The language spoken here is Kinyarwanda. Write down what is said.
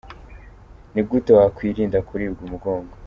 Ni gute wakwirinda kuribwa umugongo ?.